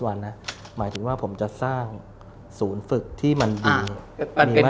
หมายถึงว่าผมจะสร้างศูนย์ฝึกที่มันดีมาก